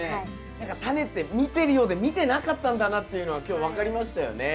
何かタネって見てるようで見てなかったんだなっていうのが今日分かりましたよね。